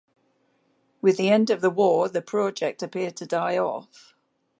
With the end of the war, the Project appeared to die off.